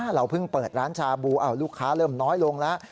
เราเพิ่งเปิดร้านชาบูลูกค้าเริ่มน้อยลงแล้ว